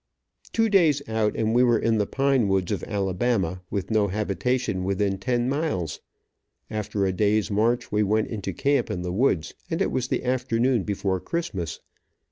Two days out, and we were in the pine woods of Alabama, with no habitation within ten miles. After a day's march we went into camp in the woods, and it was the afternoon before Christmas.